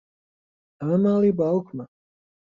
ئەمە ماڵی باوکمە.